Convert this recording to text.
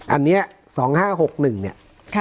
อันนี้๒๕๖๑เนี่ย